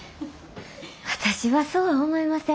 私はそうは思いません。